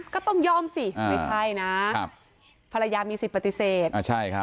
ก็ต้องยอมสิไม่ใช่นะครับภรรยามีสิทธิปฏิเสธอ่าใช่ครับ